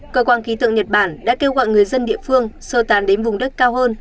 cơ quan khí tượng nhật bản đã kêu gọi người dân địa phương sơ tán đến vùng đất cao hơn